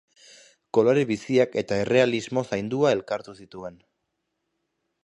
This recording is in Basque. Kolore biziak eta errealismo zaindua elkartu zituen.